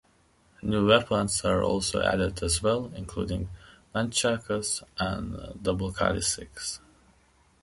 New weapons are also added as well, including nunchakus and double kali sticks.